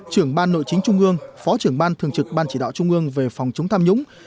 trưởng ban nội chính trung ương phó trưởng ban thường trực ban chỉ đạo trung ương về phòng chống tham nhũng